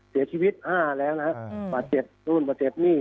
เสียชีวิต๕แล้วนะครับบาดเจ็บนู่นบาดเจ็บนี่